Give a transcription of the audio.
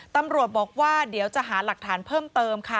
ตำรวจบอกว่าเดี๋ยวจะหาหลักฐานเพิ่มเติมค่ะ